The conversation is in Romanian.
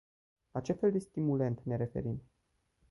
La ce fel de stimulent ne referim?